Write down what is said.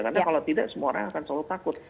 karena kalau tidak semua orang akan selalu takut